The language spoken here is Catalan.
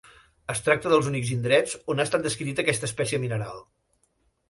Es tracta dels únics indrets on ha estat descrita aquesta espècie mineral.